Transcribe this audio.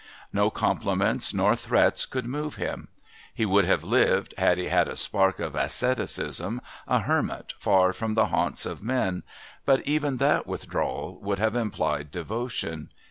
No compliments nor threats could move him; he would have lived, had he had a spark of asceticism, a hermit far from the haunts of men, but even that withdrawal would have implied devotion.